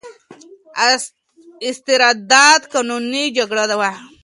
استرداد قانوني جګړه وه.